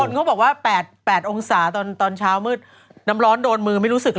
ฉันอยากจะเอาคุณนายม้ามานั่งด้วยจังเลยอ่ะ